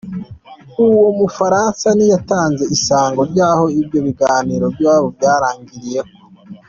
Uwo mufaransa ntiyatanze isango ry'aho ivyo biganiro vyoba vyarangiriyeko.